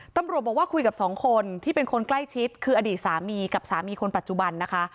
ตำรวจบอกว่าคุยกับสองคนที่เป็นคนใกล้ชิดคืออดีตสามีกับสามีคนปัจจุบันนะคะ